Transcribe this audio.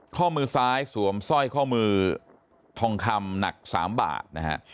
ข้อมือซ้ายสวมสร้อยข้อมือทองคำหนัก๓บาทนะฮะ